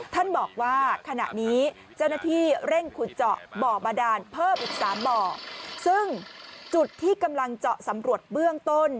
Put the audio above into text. ท่านบอกว่าขณะนี้เจ้าหน้าที่เร่งขุดเจาะบ่อบาดานเพิ่มอีกสามบ่อซึ่งจุดที่กำลังเจาะสำรวจเบื้องต้น